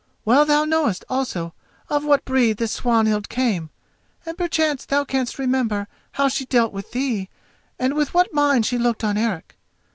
Well thou knowest, also, of what breed this Swanhild came; and perchance thou canst remember how she dealt with thee, and with what mind she looked on Eric.